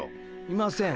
いません。